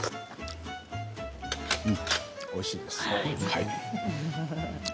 うん、おいしいです。